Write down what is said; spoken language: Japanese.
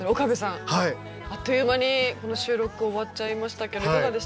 あっという間にこの収録終わっちゃいましたけどいかがでしたか？